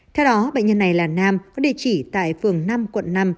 theo đó bệnh nhân này là nam có địa chỉ tại phường năm quận năm